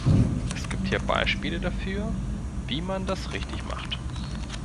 Es gibt ja Beispiele dafür, wie man das richtig macht.